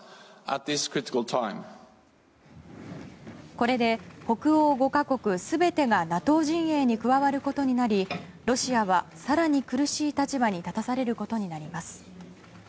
これで北欧５か国全てがＮＡＴＯ陣営に加わることになりロシアは更に苦しい立場に立たされることになります。